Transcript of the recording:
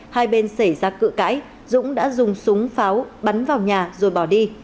hai bên xảy ra cự cãi dũng đã dùng súng pháo bắn vào nhà rồi bỏ đi